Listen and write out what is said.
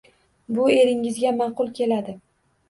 Bu, eringizga ma’qul keladi.